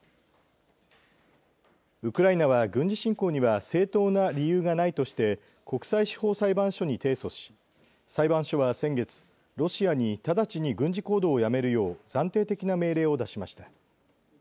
ウクライナは軍事侵攻には正当な理由がないとして国際司法裁判所に提訴し裁判所は先月ロシアに直ちに軍事行動をやめるよう暫定的な命令を出しました。